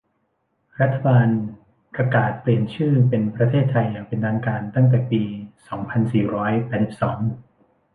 รัฐบาลประกาศเปลี่ยนชื่อเป็นประเทศไทยอย่างเป็นทางการตั้งแต่ปี สองพันสี่ร้อยแปดสิบสอง